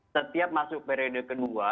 setiap masuk periode kedua